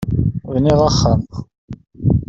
Bniɣ axxam.